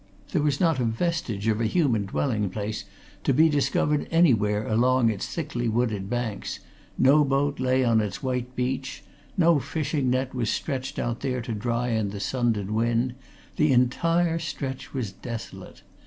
There was not a vestige of a human dwelling place to be discovered anywhere along its thickly wooded banks; no boat lay on its white beach; no fishing net was stretched out there to dry in the sun and wind; the entire stretch was desolate.